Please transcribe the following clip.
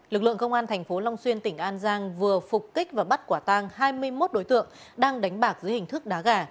lực lượng công an thành phố long xuyên tỉnh an giang vừa phục kích và bắt quả tang hai mươi một đối tượng đang đánh bạc dưới hình thức đá gà